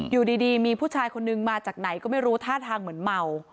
อยู่ดีมีผู้ชายคนนึงมาจากไหนก็ไม่รู้ท่าทางเหมือนเมา